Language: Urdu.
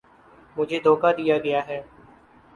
مجھے دھوکا دیا گیا ہے